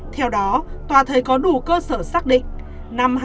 theo đó tòa thấy có đủ cơ sở xác định